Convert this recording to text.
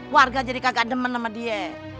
warga jadi kagak deman sama dia